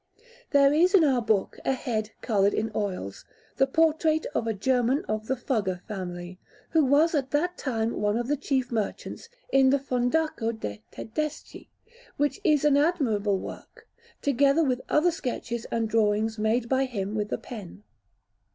There is in our book a head coloured in oils, the portrait of a German of the Fugger family, who was at that time one of the chief merchants in the Fondaco de' Tedeschi, which is an admirable work; together with other sketches and drawings made by him with the pen.